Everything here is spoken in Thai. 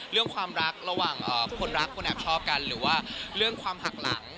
เรื่องความรักระหว่างคนรักคนแอบชอบกันหรือว่าเรื่องความหักหลัง